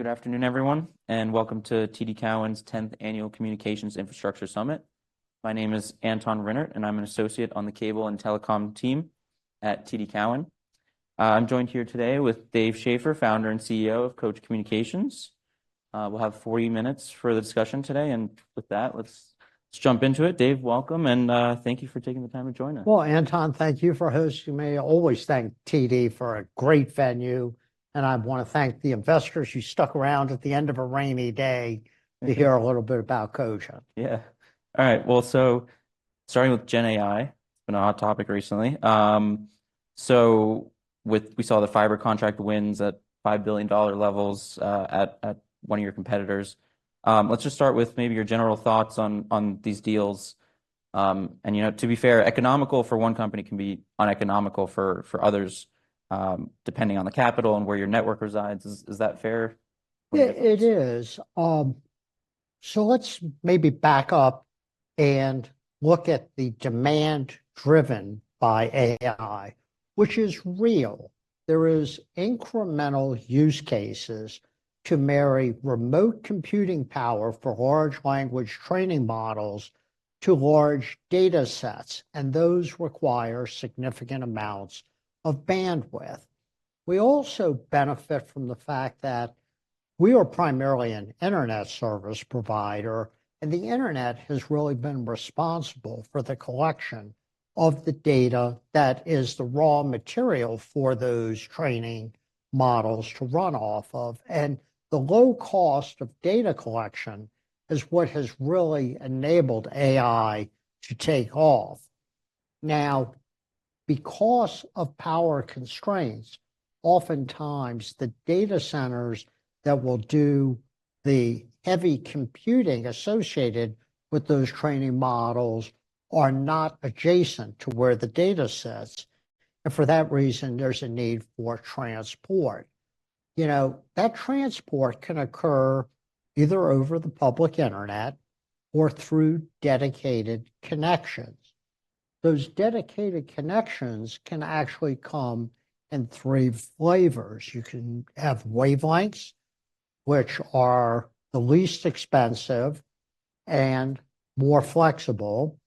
All right. Good afternoon, everyone, and welcome to TD Cowen's 10th Annual Communications Infrastructure Summit. My name is Anton Rinnert, and I'm an Associate on the Cable and Telecom team at TD Cowen. I'm joined here today with Dave Schaeffer, founder and CEO of Cogent Communications. We'll have 40 minutes for the discussion today, and with that, let's jump into it. Dave, welcome, and thank you for taking the time to join us. Well, Anton, thank you for hosting me. Always thank TD for a great venue, and I want to thank the investors who stuck around at the end of a rainy day- Thank you. to hear a little bit about Cogent. Yeah. All right. Well, so starting with GenAI, it's been a hot topic recently. So with... We saw the fiber contract wins at $5 billion levels, at one of your competitors. Let's just start with maybe your general thoughts on these deals. And, you know, to be fair, economical for one company can be uneconomical for others, depending on the capital and where your network resides. Is that fair? Yeah, it is. So let's maybe back up and look at the demand driven by AI, which is real. There is incremental use cases to marry remote computing power for large language training models to large datasets, and those require significant amounts of bandwidth. We also benefit from the fact that we are primarily an Internet Service Provider, and the Internet has really been responsible for the collection of the data that is the raw material for those training models to run off of, and the low cost of data collection is what has really enabled AI to take off. Now, because of power constraints, oftentimes, the data centers that will do the heavy computing associated with those training models are not adjacent to where the data sits, and for that reason, there's a need for transport. You know, that transport can occur either over the public internet or through dedicated connections. Those dedicated connections can actually come in three flavors. You can have wavelengths, which are the least expensive and more flexible.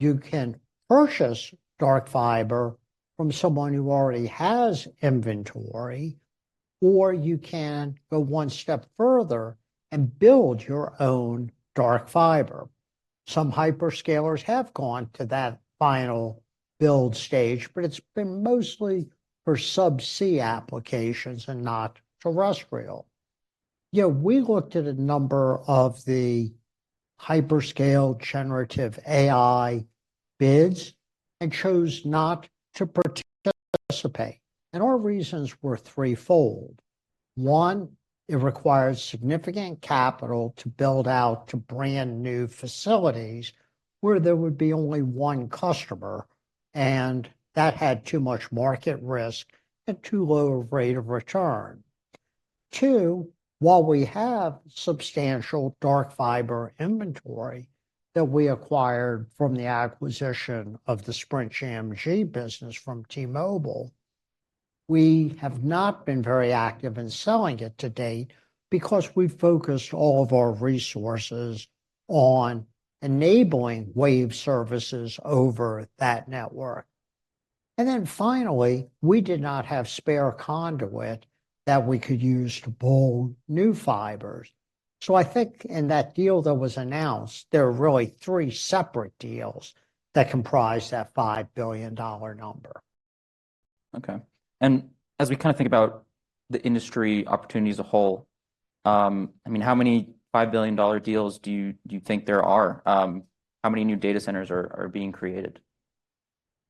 You can purchase dark fiber from someone who already has inventory, or you can go one step further and build your own dark fiber. Some hyperscalers have gone to that final build stage, but it's been mostly for subsea applications and not terrestrial. You know, we looked at a number of the hyperscale generative AI bids and chose not to participate, and our reasons were threefold. One, it requires significant capital to build out to brand-new facilities where there would be only one customer, and that had too much market risk and too low a rate of return. Two, while we have substantial dark fiber inventory that we acquired from the acquisition of the Sprint GMG business from T-Mobile, we have not been very active in selling it to date because we've focused all of our resources on enabling wave services over that network. And then finally, we did not have spare conduit that we could use to pull new fibers. So I think in that deal that was announced, there are really three separate deals that comprise that $5 billion number. Okay, and as we kind of think about the industry opportunity as a whole, I mean, how many $5 billion deals do you, do you think there are? How many new data centers are, are being created?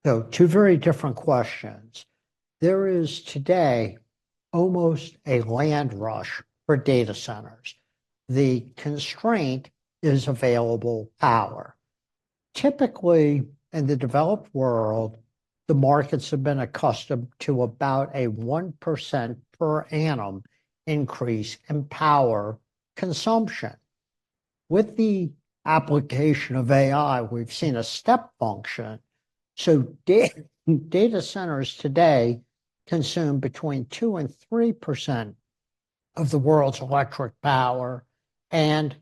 So two very different questions. There is, today, almost a land rush for data centers. The constraint is available power. Typically, in the developed world, the markets have been accustomed to about a 1% per annum increase in power consumption. With the application of AI, we've seen a step function, so data centers today consume between 2%-3% of the world's electric power, and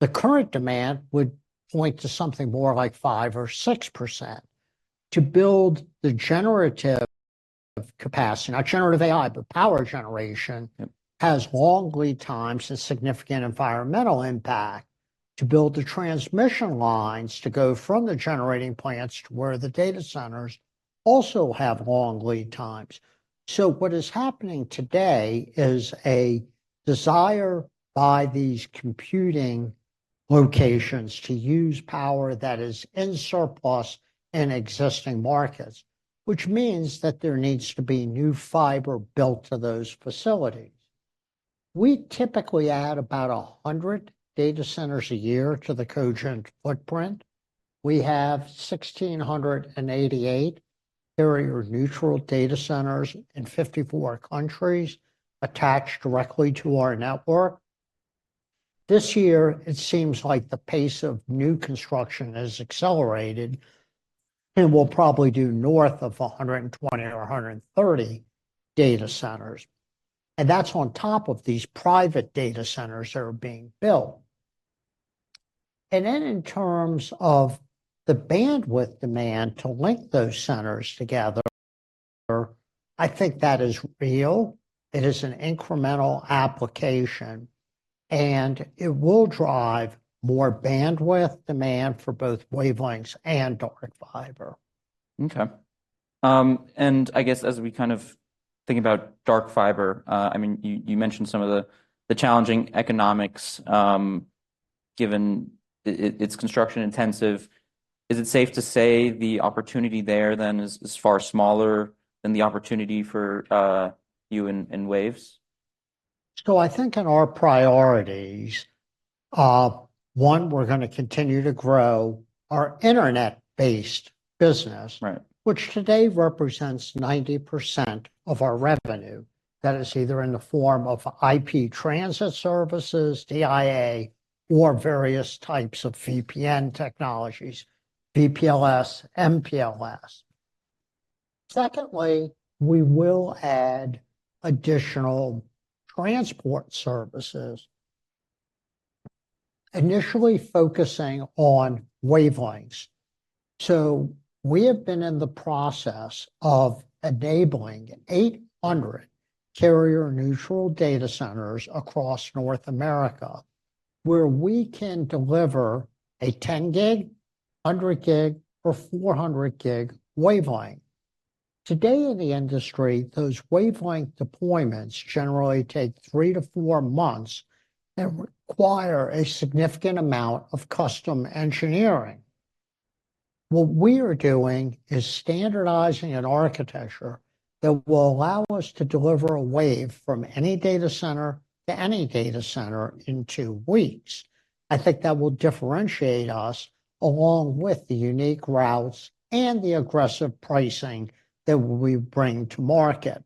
the current demand would point to something more like 5%-6%. To build the generative capacity, not generative AI, but Power Generation- Mm-hmm ... has long lead times and significant environmental impact. To build the transmission lines, to go from the generating plants to where the data centers also have long lead times. So what is happening today is a desire by these computing locations to use power that is in surplus in existing markets, which means that there needs to be new fiber built to those facilities. We typically add about 100 data centers a year to the Cogent footprint. We have 1,688 carrier-neutral data centers in 54 countries attached directly to our network.... This year, it seems like the pace of new construction has accelerated, and we'll probably do North of 120 or 130 data centers. And that's on top of these private data centers that are being built. And then in terms of the bandwidth demand to link those centers together, I think that is real. It is an incremental application, and it will drive more bandwidth demand for both wavelengths and dark fiber. Okay. I guess as we kind of think about dark fiber, I mean, you mentioned some of the challenging economics, given it's construction intensive. Is it safe to say the opportunity there then is far smaller than the opportunity for you in waves? I think in our priorities, one, we're gonna continue to grow our Internet-based business. Right ... which today represents 90% of our revenue. That is either in the form of IP Transit services, DIA or various types of VPN technologies, VPLS, MPLS. Secondly, we will add additional transport services, initially focusing on wavelengths. So we have been in the process of enabling 800 carrier-neutral data centers across North America, where we can deliver a 10 gig, 100 gig, or 400 gig wavelength. Today in the industry, those wavelength deployments generally take 3 months-4 months and require a significant amount of custom engineering. What we are doing is standardizing an architecture that will allow us to deliver a wave from any data center to any data center in 2 weeks. I think that will differentiate us, along with the unique routes and the aggressive pricing that we bring to market.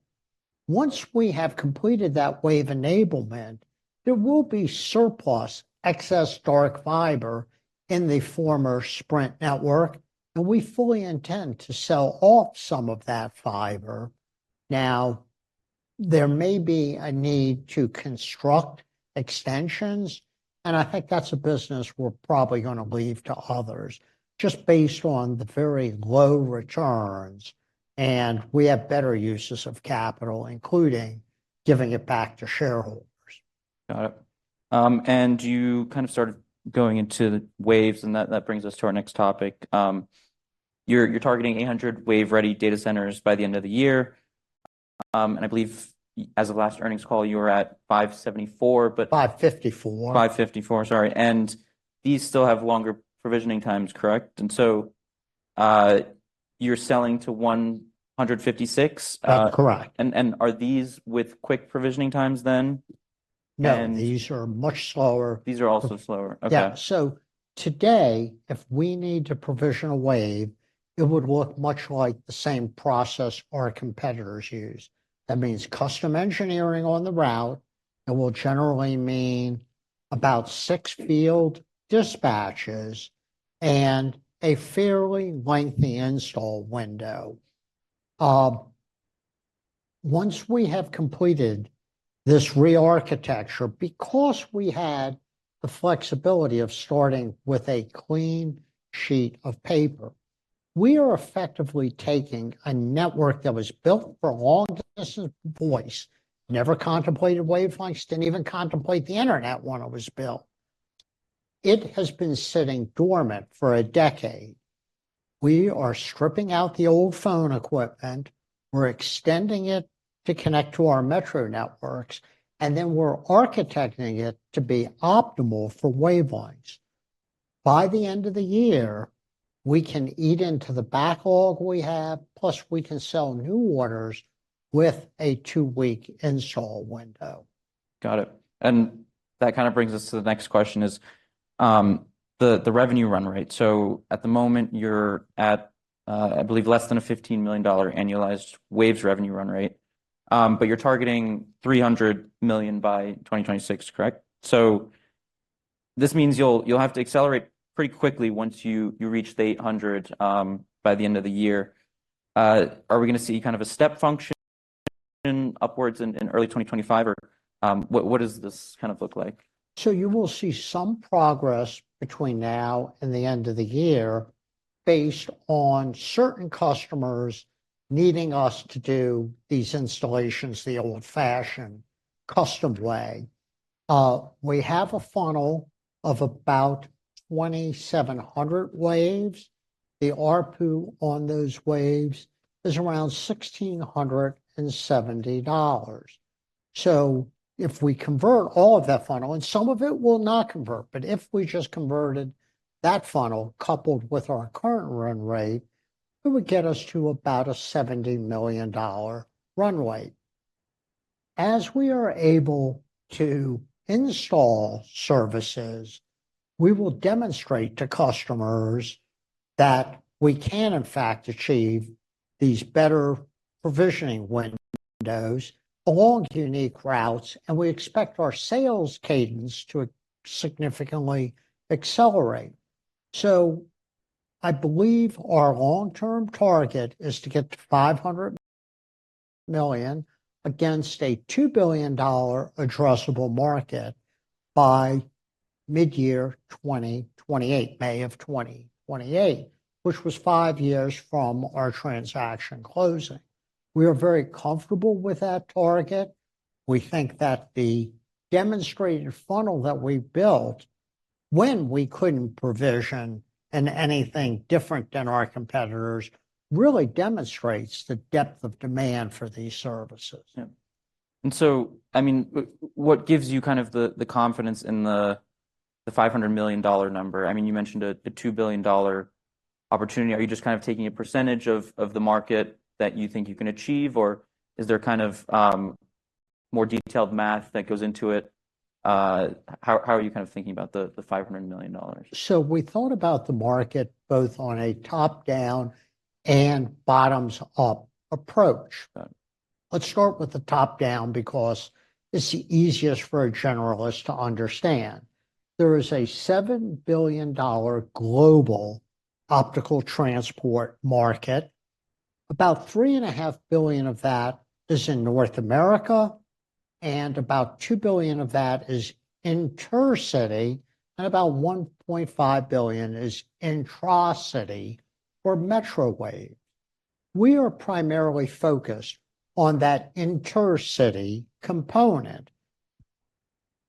Once we have completed that wave enablement, there will be surplus excess dark fiber in the former Sprint network, and we fully intend to sell off some of that fiber. Now, there may be a need to construct extensions, and I think that's a business we're probably gonna leave to others, just based on the very low returns, and we have better uses of capital, including giving it back to shareholders. Got it. And you kind of started going into the waves, and that brings us to our next topic. You're targeting 800 wave-ready data centers by the end of the year. And I believe as of last earnings call, you were at 574, but- 554. 554, sorry. These still have longer provisioning times, correct? So, you're selling to 156, Correct. Are these with quick provisioning times then? No, these are much slower. These are also slower. Okay. Yeah. So today, if we need to provision a wave, it would look much like the same process our competitors use. That means custom engineering on the route and will generally mean about 6 field dispatches and a fairly lengthy install window. Once we have completed this rearchitecture, because we had the flexibility of starting with a clean sheet of paper, we are effectively taking a network that was built for long distance voice, never contemplated wavelengths, didn't even contemplate the internet when it was built. It has been sitting dormant for a decade. We are stripping out the old phone equipment. We're extending it to connect to our metro networks, and then we're architecting it to be optimal for wavelengths. By the end of the year, we can eat into the backlog we have, plus we can sell new orders with a 2-week install window. Got it, and that kind of brings us to the next question is the revenue run rate. So at the moment, you're at, I believe, less than $15 million annualized waves revenue run rate, but you're targeting $300 million by 2026, correct? So this means you'll have to accelerate pretty quickly once you reach the 800 by the end of the year. Are we gonna see kind of a step function upwards in early 2025, or what does this kind of look like? So you will see some progress between now and the end of the year, based on certain customers needing us to do these installations the old-fashioned, custom way. We have a funnel of about 2,700 waves. The ARPU on those waves is around $1,670. So if we convert all of that funnel, and some of it will not convert, but if we just converted that funnel, coupled with our current run rate, it would get us to about a $70 million runway. As we are able to install services, we will demonstrate to customers that we can in fact achieve these better provisioning windows along unique routes, and we expect our sales cadence to significantly accelerate. So I believe our long-term target is to get to $500 million against a $2 billion addressable market by mid-year 2028, May of 2028, which was 5 years from our transaction closing. We are very comfortable with that target. We think that the demonstrated funnel that we've built when we couldn't provision in anything different than our competitors, really demonstrates the depth of demand for these services. Yeah. And so, I mean, what gives you kind of the confidence in the $500 million number? I mean, you mentioned a $2 billion opportunity. Are you just kind of taking a percentage of the market that you think you can achieve, or is there kind of more detailed math that goes into it? How are you kind of thinking about the $500 million? We thought about the market both on a top-down and bottoms-up approach. Right. Let's start with the top-down, because it's the easiest for a generalist to understand. There is a $7 billion global optical transport market. About $3.5 billion of that is in North America, and about $2 billion of that is intercity, and about $1.5 billion is intra-city or metro wave. We are primarily focused on that intercity component.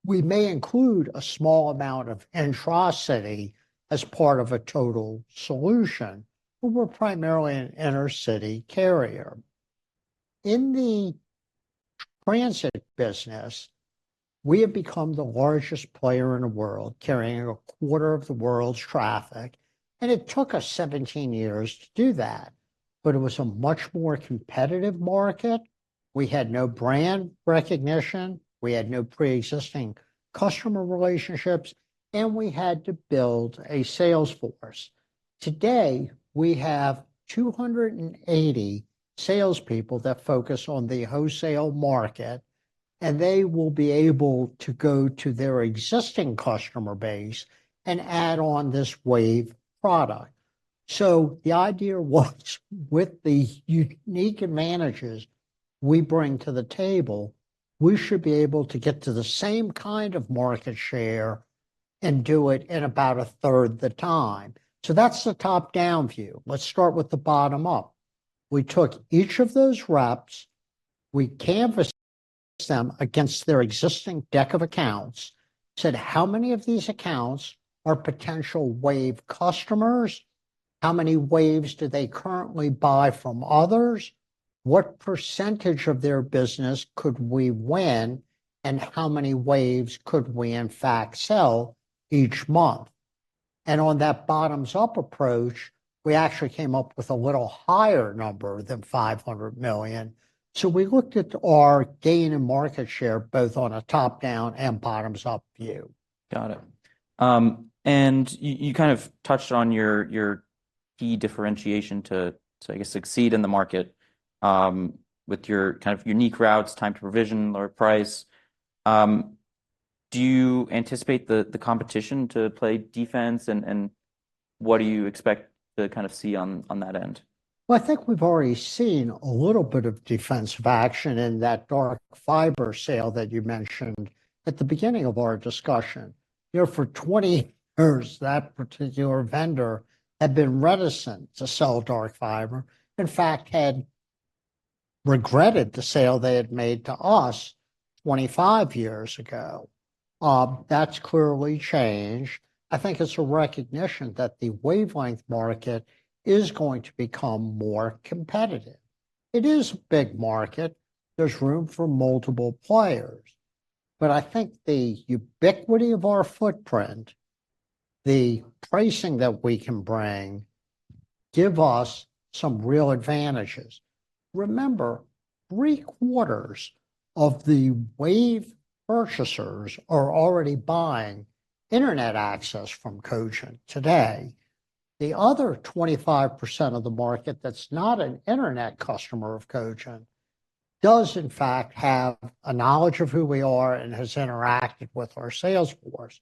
We may include a small amount of intra-city as part of a total solution, but we're primarily an intercity carrier. In the transit business, we have become the largest player in the world, carrying a quarter of the world's traffic, and it took us 17 years to do that, but it was a much more competitive market. We had no brand recognition, we had no pre-existing customer relationships, and we had to build a sales force. Today, we have 280 salespeople that focus on the wholesale market, and they will be able to go to their existing customer base and add on this wave product. So the idea was, with the unique advantages we bring to the table, we should be able to get to the same kind of market share and do it in about a third the time. So that's the top-down view. Let's start with the bottom up. We took each of those reps, we canvassed them against their existing deck of accounts, said: How many of these accounts are potential wave customers? How many waves do they currently buy from others? What percentage of their business could we win, and how many waves could we in fact sell each month? On that bottoms-up approach, we actually came up with a little higher number than $500 million. We looked at our gain in market share, both on a top-down and bottoms-up view. Got it. And you kind of touched on your key differentiation to, I guess, succeed in the market with your kind of unique routes, time to provision, lower price. Do you anticipate the competition to play defense? And what do you expect to kind of see on that end? Well, I think we've already seen a little bit of defensive action in that dark fiber sale that you mentioned at the beginning of our discussion. You know, for 20 years, that particular vendor had been reticent to sell dark fiber. In fact, had regretted the sale they had made to us 25 years ago. That's clearly changed. I think it's a recognition that the wavelength market is going to become more competitive. It is a big market. There's room for multiple players, but I think the ubiquity of our footprint, the pricing that we can bring, give us some real advantages. Remember, 3/4 of the wave purchasers are already buying internet access from Cogent today. The other 25% of the market, that's not an internet customer of Cogent, does in fact have a knowledge of who we are and has interacted with our sales force.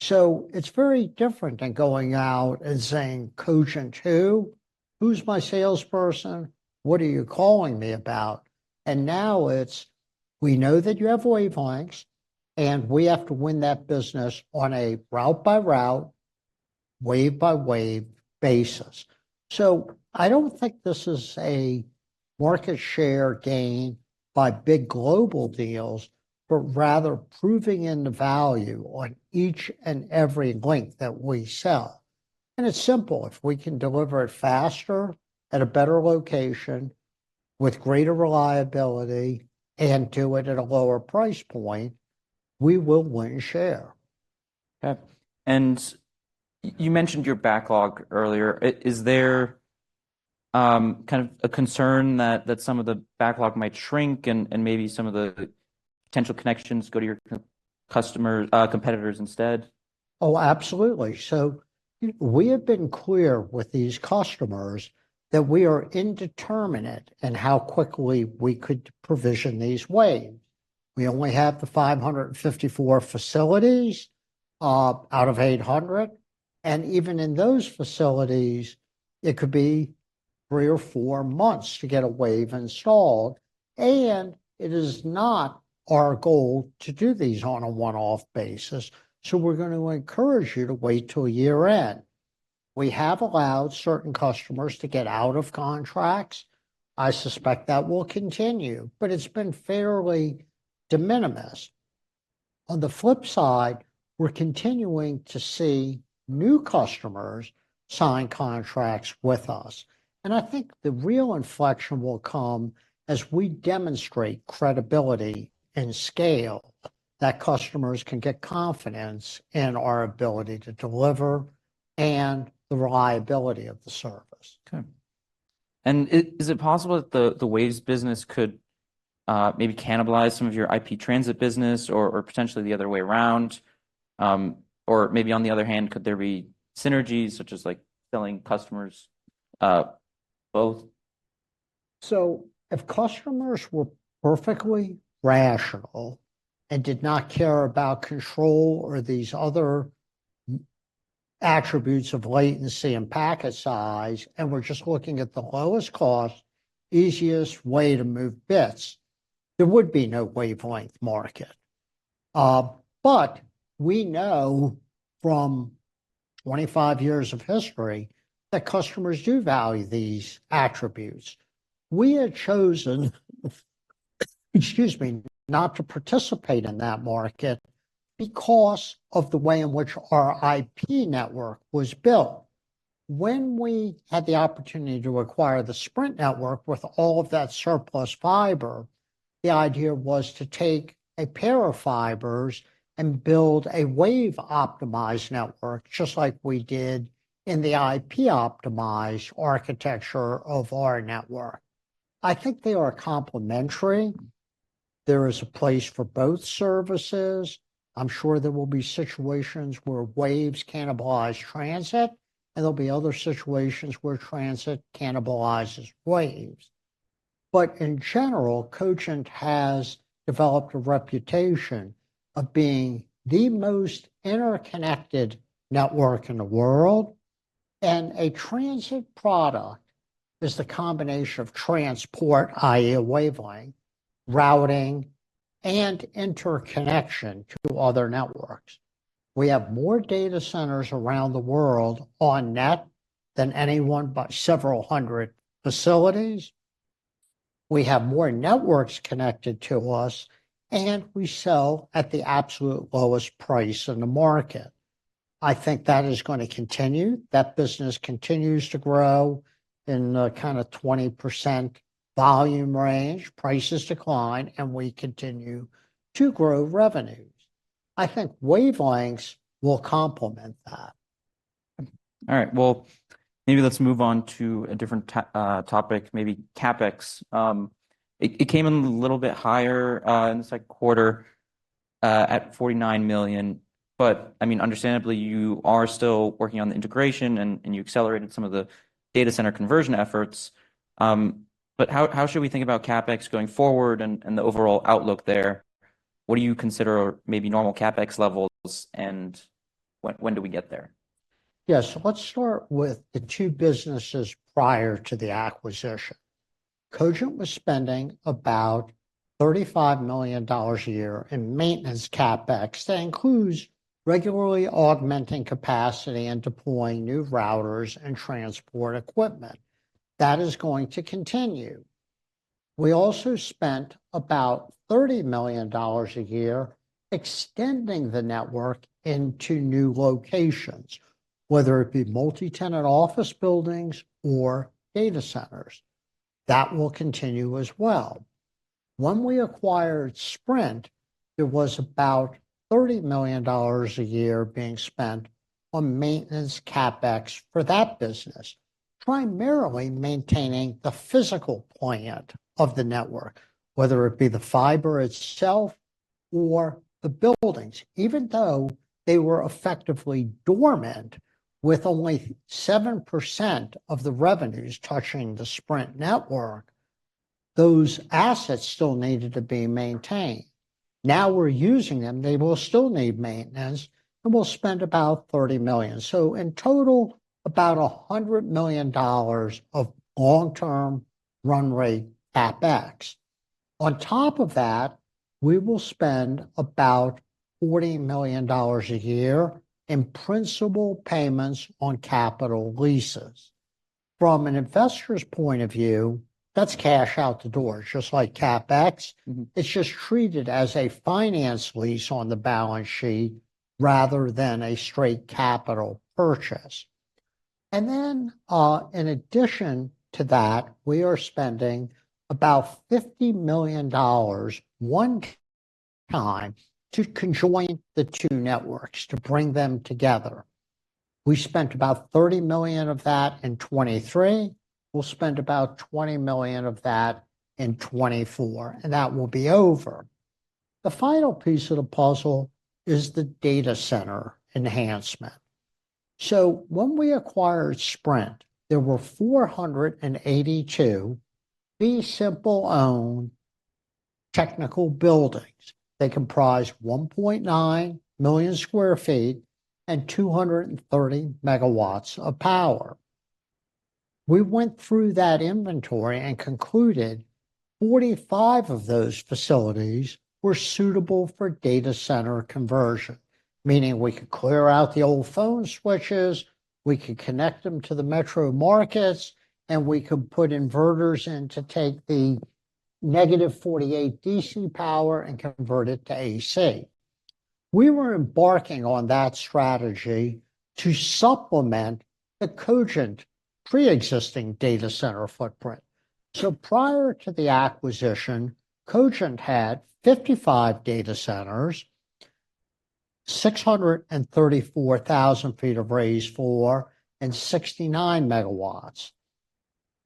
So it's very different than going out and saying, "Cogent who? Who's my salesperson? What are you calling me about?" And now it's, "We know that you have wavelengths, and we have to win that business on a route-by-route, wave-by-wave basis." So I don't think this is a market share gain by big global deals, but rather proving in the value on each and every link that we sell. And it's simple; if we can deliver it faster, at a better location, with greater reliability, and do it at a lower price point, we will win share. Yeah. And you mentioned your backlog earlier. Is there kind of a concern that some of the backlog might shrink and maybe some of the potential connections go to your customer competitors instead? Oh, absolutely. So we have been clear with these customers that we are indeterminate in how quickly we could provision these waves. We only have the 554 facilities out of 800, and even in those facilities, it could be 3 months or 4 months to get a wave installed, and it is not our goal to do these on a one-off basis, so we're going to encourage you to wait till year-end. We have allowed certain customers to get out of contracts. I suspect that will continue, but it's been fairly de minimis. On the flip side, we're continuing to see new customers sign contracts with us, and I think the real inflection will come as we demonstrate credibility and scale, that customers can get confidence in our ability to deliver and the reliability of the service. Okay. And is it possible that the waves business could maybe cannibalize some of your IP transit business or potentially the other way around? Or maybe on the other hand, could there be synergies, such as, like, selling customers both? So if customers were perfectly rational and did not care about control or these other attributes of latency and packet size, and were just looking at the lowest cost, easiest way to move bits, there would be no wavelength market. But we know from 25 years of history that customers do value these attributes. We have chosen, excuse me, not to participate in that market because of the way in which our IP network was built. When we had the opportunity to acquire the Sprint network with all of that surplus fiber, the idea was to take a pair of fibers and build a wave-optimized network, just like we did in the IP-optimized architecture of our network. I think they are complementary. There is a place for both services. I'm sure there will be situations where waves cannibalize transit, and there'll be other situations where transit cannibalizes waves. In general, Cogent has developed a reputation of being the most interconnected network in the world, and a transit product is the combination of transport, i.e., wavelength, routing, and interconnection to other networks. We have more data centers around the world on net than anyone, by several hundred facilities. We have more networks connected to us, and we sell at the absolute lowest price in the market. I think that is going to continue. That business continues to grow in the kind of 20% volume range, prices decline, and we continue to grow revenues. I think wavelengths will complement that. All right, well, maybe let's move on to a different topic, maybe CapEx. It came in a little bit higher in the second quarter at $49 million, but I mean, understandably, you are still working on the integration and you accelerated some of the data center conversion efforts. But how should we think about CapEx going forward and the overall outlook there? What do you consider maybe normal CapEx levels, and when do we get there? Yes. So let's start with the two businesses prior to the acquisition. Cogent was spending about $35 million a year in maintenance CapEx. That includes regularly augmenting capacity and deploying new routers and transport equipment. That is going to continue. We also spent about $30 million a year extending the network into new locations, whether it be multi-tenant office buildings or data centers. That will continue as well. When we acquired Sprint, there was about $30 million a year being spent on maintenance CapEx for that business, primarily maintaining the physical plant of the network, whether it be the fiber itself or the buildings. Even though they were effectively dormant, with only 7% of the revenues touching the Sprint network, those assets still needed to be maintained. Now we're using them, they will still need maintenance, and we'll spend about $30 million. So in total, about $100 million of long-term run rate CapEx. On top of that, we will spend about $40 million a year in principal payments on capital leases. From an investor's point of view, that's cash out the door, just like CapEx. Mm-hmm. It's just treated as a finance lease on the balance sheet rather than a straight capital purchase. Then, in addition to that, we are spending about $50 million one-time to conjoin the two networks, to bring them together. We spent about $30 million of that in 2023. We'll spend about $20 million of that in 2024, and that will be over. The final piece of the puzzle is the data center enhancement. When we acquired Sprint, there were 482 fee simple owned technical buildings. They comprised 1.9 million sq ft and 230 MW of power. We went through that inventory and concluded 45 of those facilities were suitable for data center conversion, meaning we could clear out the old phone switches, we could connect them to the metro markets, and we could put inverters in to take the negative 48 DC power and convert it to AC. We were embarking on that strategy to supplement the Cogent pre-existing data center footprint. So prior to the acquisition, Cogent had 55 data centers, 634,000 sq ft of raised floor and 69 MW.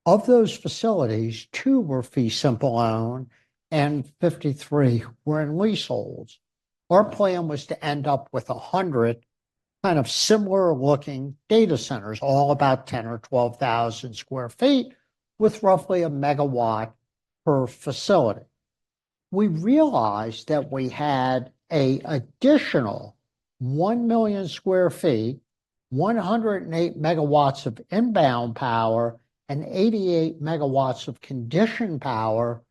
Of those facilities, 2 were fee simple owned and 53 were in leaseholds. Our plan was to end up with 100 kind of similar-looking data centers, all about 10,000 sq ft-12,000 sq ft, with roughly 1 MW per facility. We realized that we had an additional 1 million sq ft, 108 MW of inbound power, and 88 MW of conditioned power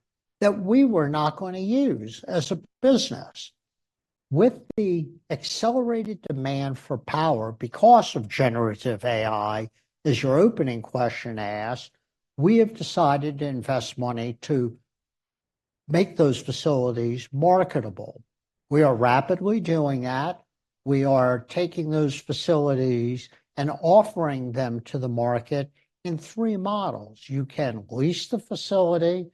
that we were not going to use as a business. With the accelerated demand for power because of generative AI, as your opening question asked, we have decided to invest money to make those facilities marketable. We are rapidly doing that. We are taking those facilities and offering them to the market in three models: You can lease the facility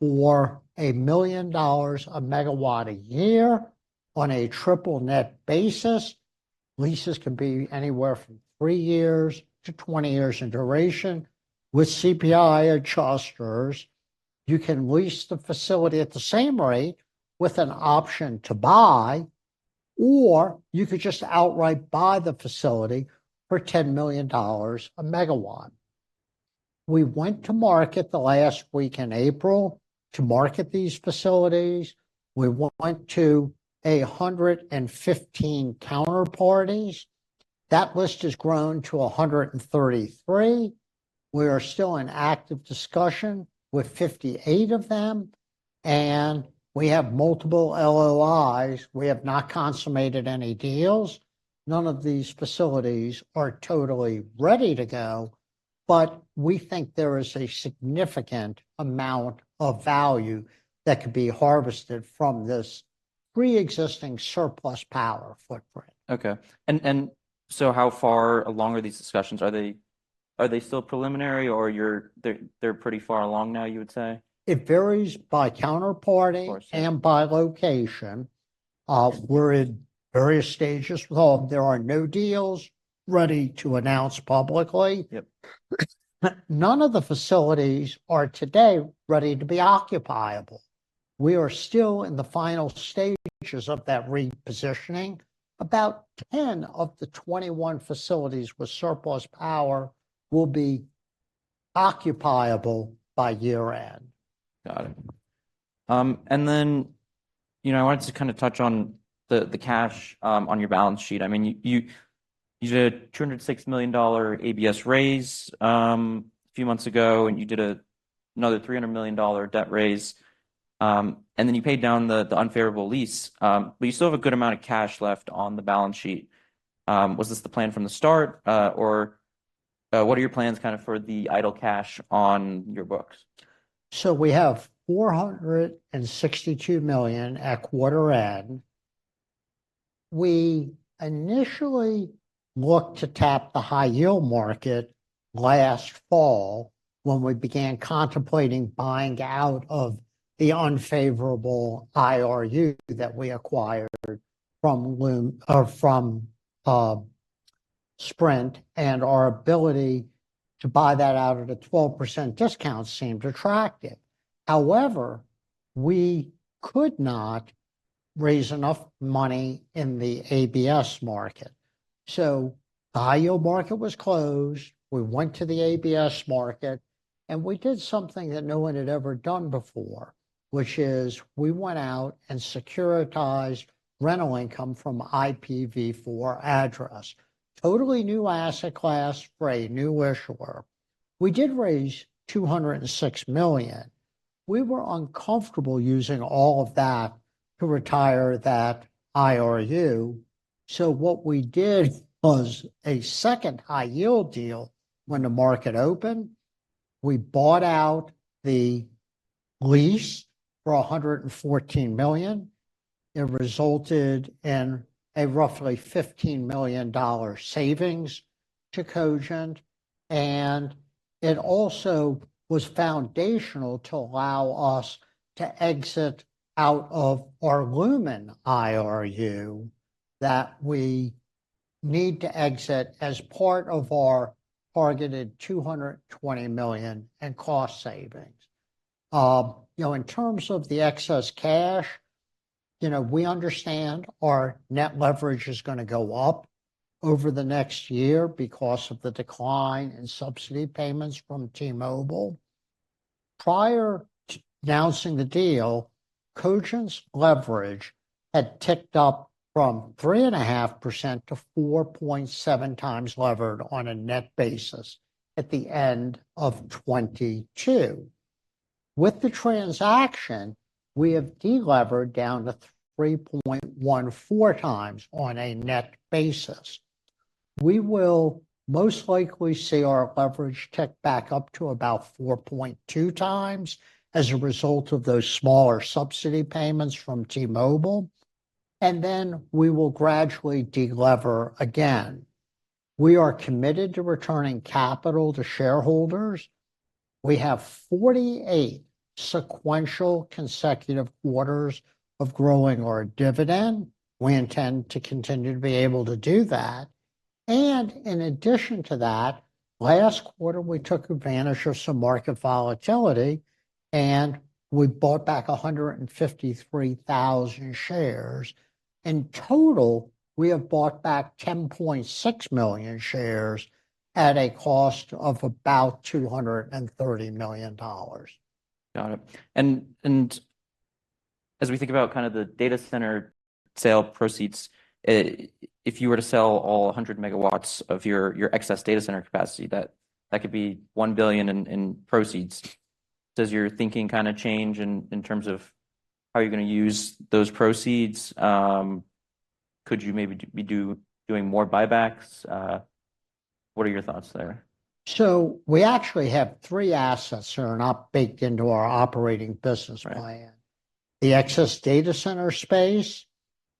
for $1 million a megawatt a year on a triple net basis. Leases can be anywhere from 3 years to 20 years in duration with CPI or escalators. You can lease the facility at the same rate with an option to buy, or you could just outright buy the facility for $10 million a megawatt. We went to market the last week in April to market these facilities. We went to 115 counterparties. That list has grown to 133. We are still in active discussion with 58 of them, and we have multiple LOIs. We have not consummated any deals. None of these facilities are totally ready to go, but we think there is a significant amount of value that could be harvested from this pre-existing surplus power footprint. Okay, and so how far along are these discussions? Are they still preliminary, or they're pretty far along now, you would say? It varies by counterparty- Of course. -and by location. We're in various stages with all of them. There are no deals ready to announce publicly. Yep. None of the facilities are today ready to be occupiable. We are still in the final stages of that repositioning. About 10 of the 21 facilities with surplus power will be occupiable by year-end. Got it. And then, you know, I wanted to kind of touch on the, the cash, on your balance sheet. I mean, you, you did a $206 million ABS raise, a few months ago, and you did a another $300 million debt raise. And then you paid down the, the unfavorable lease. But you still have a good amount of cash left on the balance sheet. Was this the plan from the start, or, what are your plans kind of for the idle cash on your books? So we have $462 million at quarter end. We initially looked to tap the high yield market last fall, when we began contemplating buying out of the unfavorable IRU that we acquired from Lumen, from Sprint, and our ability to buy that out at a 12% discount seemed attractive. However, we could not raise enough money in the ABS market, so the high-yield market was closed. We went to the ABS market, and we did something that no one had ever done before, which is we went out and securitized rental income from IPv4 address. Totally new asset class for a new issuer. We did raise $206 million. We were uncomfortable using all of that to retire that IRU, so what we did was a second high-yield deal when the market opened. We bought out the lease for $114 million. It resulted in a roughly $15 million savings to Cogent, and it also was foundational to allow us to exit out of our Lumen IRU that we need to exit as part of our targeted $220 million in cost savings. You know, in terms of the excess cash, you know, we understand our net leverage is going to go up over the next year because of the decline in subsidy payments from T-Mobile. Prior to announcing the deal, Cogent's leverage had ticked up from 3.5% to 4.7x levered on a net basis at the end of 2022. With the transaction, we have de-levered down to 3.14x on a net basis. We will most likely see our leverage tick back up to about 4.2x as a result of those smaller subsidy payments from T-Mobile, and then we will gradually de-lever again. We are committed to returning capital to shareholders. We have 48 sequential consecutive quarters of growing our dividend. We intend to continue to be able to do that, and in addition to that, last quarter, we took advantage of some market volatility, and we bought back 153,000 shares. In total, we have bought back 10.6 million shares at a cost of about $230 million. Got it. And as we think about kind of the data center sale proceeds, if you were to sell all 100 MW of your excess data center capacity, that could be $1 billion in proceeds. Does your thinking kind of change in terms of how you're going to use those proceeds? Could you maybe be doing more buybacks? What are your thoughts there? We actually have three assets that are not baked into our operating business plan- Right... The excess data center space,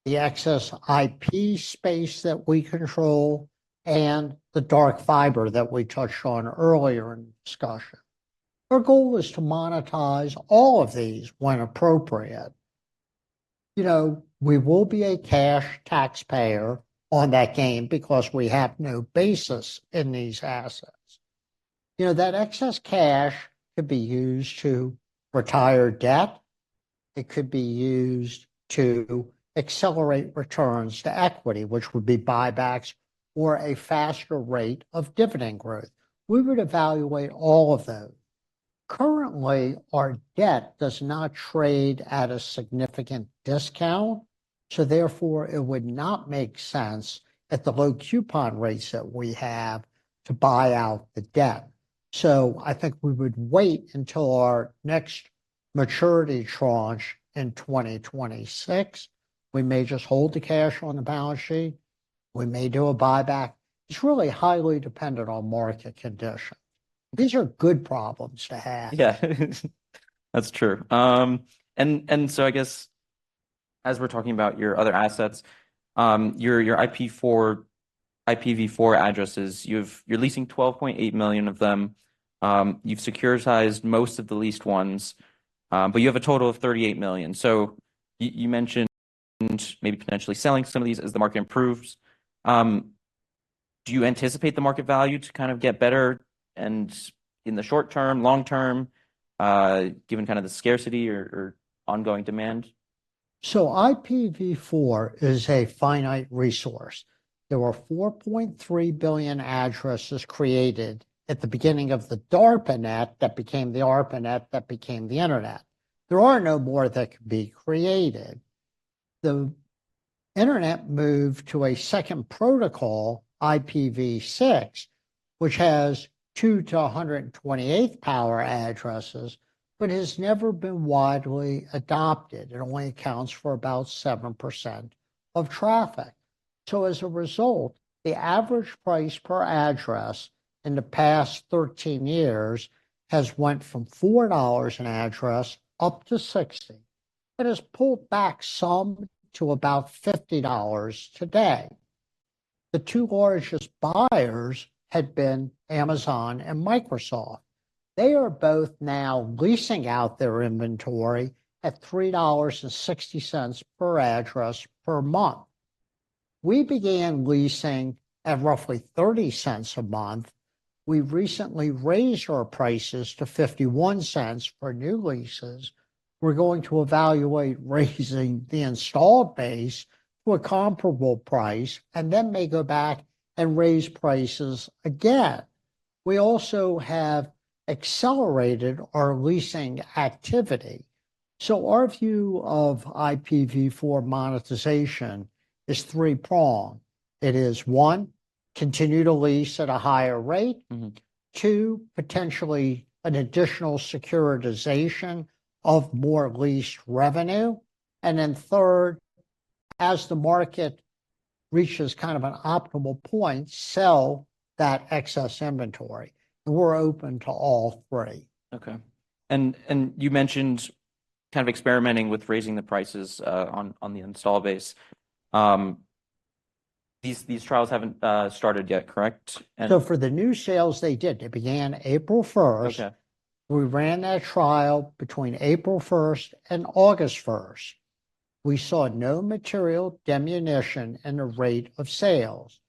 the excess IP space that we control, and the dark fiber that we touched on earlier in the discussion. Our goal is to monetize all of these when appropriate. You know, we will be a cash taxpayer on that gain because we have no basis in these assets. You know, that excess cash could be used to retire debt, it could be used to accelerate returns to equity, which would be buybacks or a faster rate of dividend growth. We would evaluate all of those. Currently, our debt does not trade at a significant discount, so therefore it would not make sense at the low coupon rates that we have to buy out the debt. So I think we would wait until our next maturity tranche in 2026. We may just hold the cash on the balance sheet. We may do a buyback. It's really highly dependent on market conditions. These are good problems to have. Yeah, that's true. And so I guess as we're talking about your other assets, your IPv4 addresses, you've... You're leasing 12.8 million of them. You've securitized most of the leased ones, but you have a total of 38 million. So you mentioned maybe potentially selling some of these as the market improves. Do you anticipate the market value to kind of get better in the short term, long term, given the scarcity or ongoing demand? So IPv4 is a finite resource. There were 4.3 billion addresses created at the beginning of the DARPA net, that became the ARPANET, that became the Internet. There are no more that could be created. The Internet moved to a second protocol, IPv6, which has 2 to the 128th power addresses, but has never been widely adopted, and only accounts for about 7% of traffic. So as a result, the average price per address in the past 13 years has went from $4 an address up to $60. It has pulled back some to about $50 today. The two largest buyers had been Amazon and Microsoft. They are both now leasing out their inventory at $3.60 per address per month. We began leasing at roughly $0.30 a month. We've recently raised our prices to $0.51 for new leases. We're going to evaluate raising the installed base to a comparable price and then may go back and raise prices again. We also have accelerated our leasing activity. So our view of IPv4 monetization is three-pronged. It is, one, continue to lease at a higher rate. Mm-hmm. Two, potentially an additional securitization of more leased revenue. And then third, as the market reaches kind of an optimal point, sell that excess inventory. And we're open to all three. Okay. You mentioned kind of experimenting with raising the prices on the install base. These trials haven't started yet, correct? For the new sales, they did. It began April 1st. Okay. We ran that trial between April 1st and August 1st. We saw no material diminution in the rate of sales.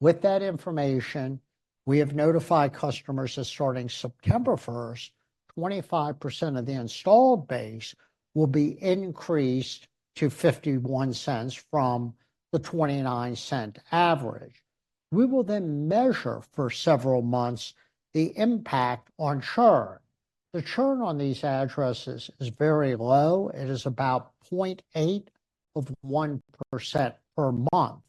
With that information, we have notified customers that starting September 1st, 25% of the installed base will be increased to $0.51 from the $0.29 average. We will then measure for several months the impact on churn. The churn on these addresses is very low. It is about 0.8% per month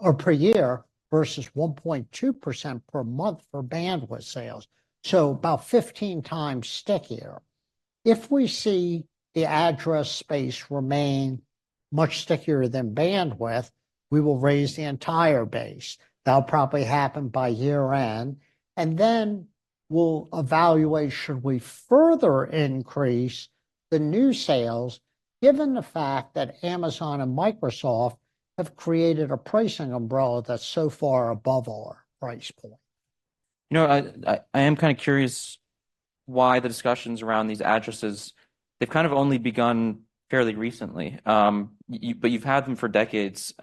or per year, versus 1.2% per month for bandwidth sales, so about 15x stickier. If we see the address space remain much stickier than bandwidth, we will raise the entire base. That'll probably happen by year-end, and then we'll evaluate, should we further increase the new sales, given the fact that Amazon and Microsoft have created a pricing umbrella that's so far above our price point? You know, I am kind of curious why the discussions around these addresses, they've kind of only begun fairly recently. But you've had them for decades,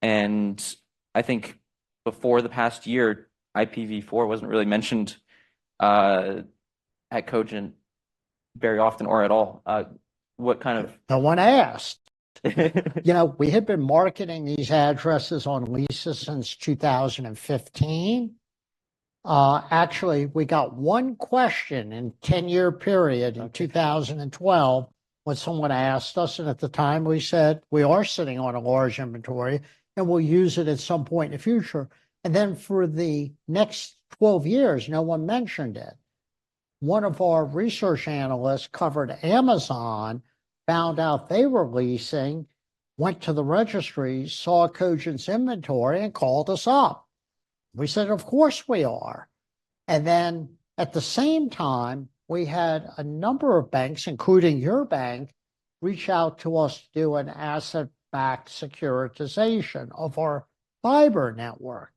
and I think before the past year, IPv4 wasn't really mentioned at Cogent very often, or at all. What kind of- No one asked. You know, we had been marketing these addresses on leases since 2015. Actually, we got one question in 10-year period- Okay... in 2012, when someone asked us, and at the time we said, "We are sitting on a large inventory, and we'll use it at some point in the future." And then for the next 12 years, no one mentioned it. One of our research analysts covered Amazon, found out they were leasing, went to the registry, saw Cogent's inventory, and called us up. We said: Of course we are. And then, at the same time, we had a number of banks, including your bank, reach out to us to do an asset-backed securitization of our fiber network.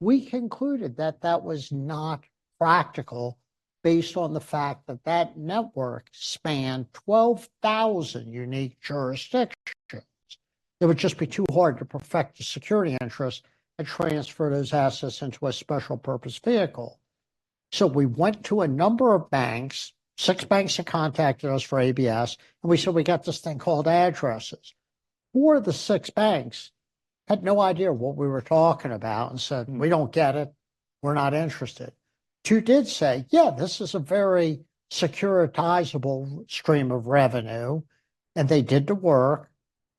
We concluded that that was not practical, based on the fact that that network spanned 12,000 unique jurisdictions. It would just be too hard to perfect the security interest and transfer those assets into a special purpose vehicle. So we went to a number of banks. Six banks had contacted us for ABS, and we said, "We got this thing called addresses." Four of the six banks had no idea what we were talking about and said- Mm... "We don't get it. We're not interested." Two did say: Yeah, this is a very securitizable stream of revenue. They did the work.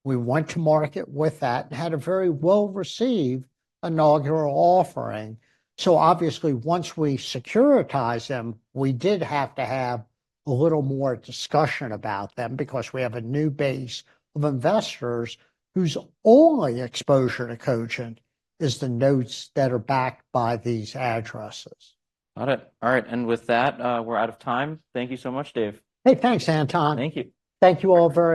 We went to market with that and had a very well-received inaugural offering. Obviously, once we securitize them, we did have to have a little more discussion about them because we have a new base of investors whose only exposure to Cogent is the notes that are backed by these addresses. Got it. All right, and with that, we're out of time. Thank you so much, Dave. Hey, thanks, Anton. Thank you. Thank you all very much.